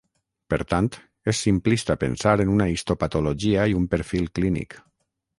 Per tant, és simplista pensar en una histopatologia i un perfil clínic.